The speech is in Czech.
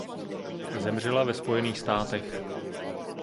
Zemřela ve Spojených státech.